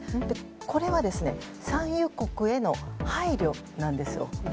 これは産油国への配慮なんです。